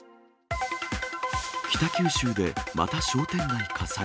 北九州でまた商店街火災。